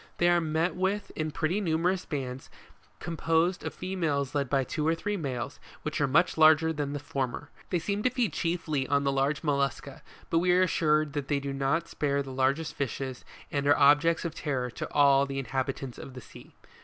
They are met with in pretty numerous bands composed of females led by two or three males, which are much larger than the former. They seem to feed chiefly on the large mollusca ; but we are assured that they do not spare the largest fishes, and are objects of terror to all the in habitants of the sea.